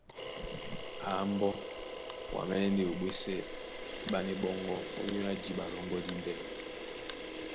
A mbɔ́, wǎmɛ́nɛ́ ndé o ɓwésɛ́ ɓána ɓɔ́ŋgɔ̄ ónyólá jǐɓa lɔ́ŋgɔ̄ díndɛ́nɛ.